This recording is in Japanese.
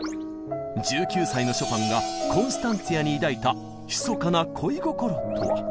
１９歳のショパンがコンスタンツィアに抱いたひそかな恋心とは？